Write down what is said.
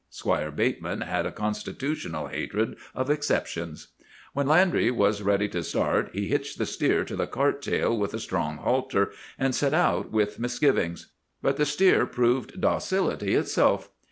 Squire Bateman had a constitutional hatred of exceptions. "When Landry was ready to start he hitched the steer to the cart tail with a strong halter, and set out with misgivings. But the steer proved docility itself.